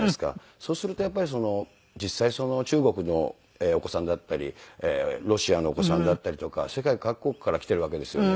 そうするとやっぱり実際中国のお子さんだったりロシアのお子さんだったりとか世界各国から来ているわけですよね。